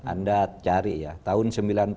anda cari ya tahun